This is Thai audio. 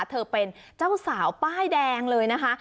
เธอเป็นเจ้าสาวป้ายแดงเลยนะคะ